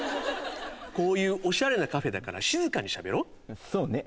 こういうおしゃれなカフェだから静かにしゃべろうそうね